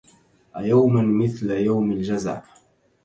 أيوما مثل يوم الجزع